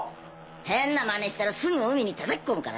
変なまねしたらすぐ海にたたき込むからね。